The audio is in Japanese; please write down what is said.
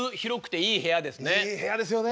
いい部屋ですよね。